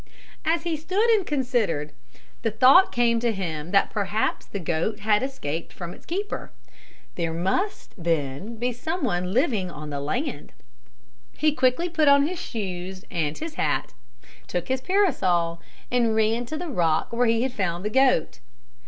As he stood and considered, the thought came to him that perhaps the goat had escaped from its keeper. There must then be some one living on the land. He quickly put on his shoes and his hat, took his parasol, and ran to the rock where he had found the goat.